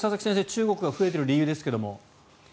中国が増えている理由ですが。